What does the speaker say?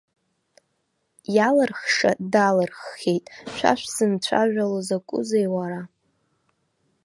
Иалырхша далырххьеит, шәа шәзынцәажәало закәызеи, уара!